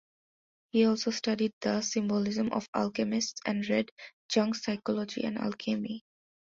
He also studied the symbolism of the alchemists and read Jung's "Psychology and Alchemy".